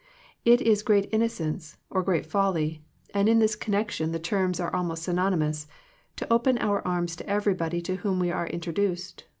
It is great innocence, or great folly, and in this connection the terms are almost synonymous, to open our arms to everybody to whom we are in troduced.